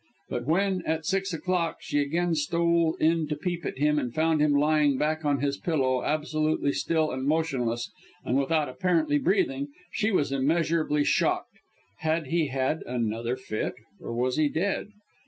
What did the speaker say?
But when, at six o'clock, she again stole in to peep at him, and found him lying back on his pillow absolutely still and motionless, and without apparently breathing, she was immeasurably shocked. Had he had another fit, or was he dead?